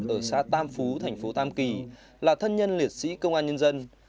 ở xã tam phú thành phố tam kỳ là thân nhân liệt sĩ công an nhân dân